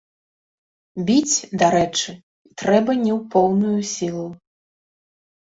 Біць, дарэчы, трэба не ў поўную сілу.